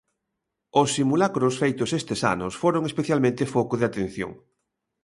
O simulacros feitos estes ano foron especial foco de atención.